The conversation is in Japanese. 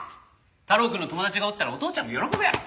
太郎くんの友達がおったらお父ちゃんも喜ぶやろ。